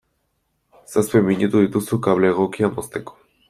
Zazpi minutu dituzu kable egokia mozteko.